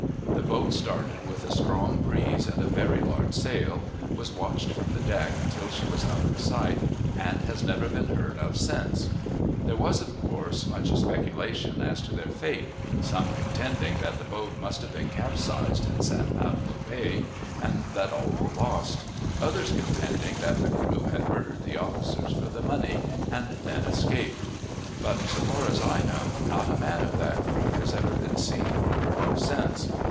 The boat started with a strong breeze and a very large sail, was watched from the deck until she was out of sight, and has never been heard of since. There was, of coarse, much speculation as to their fate, some contending that the boat must have been capsized in San Pablo Bay, and that all were lost; others contending that the crew had murdered the officers for the money, and then escaped; but, so far as I know, not a man of that crew has ever been seen or heard of since.